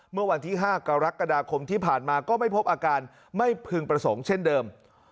เมื่อวันที่๕กรกฎาคมที่ผ่านมาก็ไม่พบอาการไม่พึงประสงค์เช่นเดิม